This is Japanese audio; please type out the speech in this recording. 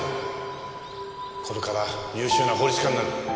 これから優秀な法律家になる。